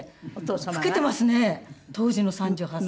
老けていますね当時の３８歳。